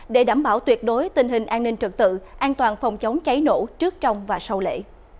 để đảm bảo tuyệt đối tình hình an ninh trật tự an toàn phòng chống cháy nổ trước trong và sau lễ